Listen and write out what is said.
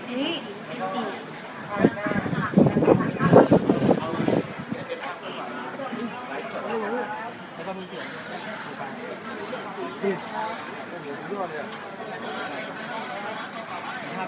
พี่จะได้ไฟไว้ไหน